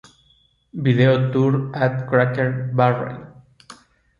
Video tour at Cracker Barrel